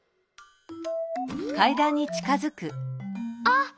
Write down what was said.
あっ！